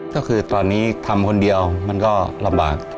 ก็คือตอนนี้ทำคนเดียวมันก็ลำบาก